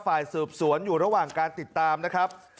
ฝ่ายสืบสวนอยู่ระหว่างการติดตามนะครับ